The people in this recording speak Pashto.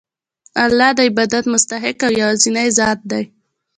الله د عبادت مستحق یوازینی ذات دی.